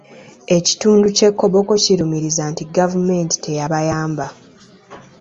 Ekitundu ky'e Koboko kirumiriza nti gavumenti tebayamba.